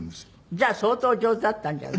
じゃあ相当お上手だったんじゃない。